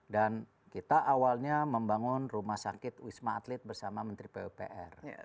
dan kita awalnya membangun rumah sakit wisma atlet bersama menteri pwpr